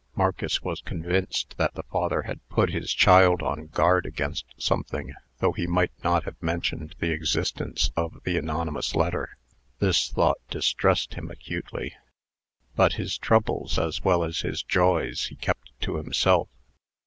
Marcus was convinced that the father had put his child on guard against something, though he might not have mentioned the existence of the anonymous letter. This thought distressed him acutely. But his troubles, as well as his joys, he kept to himself.